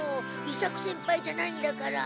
伊作先輩じゃないんだから。